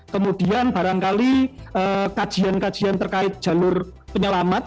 kemudian barangkali kajian kajian terkait jalur penyelamat